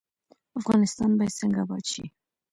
افغانستان باید څنګه اباد شي؟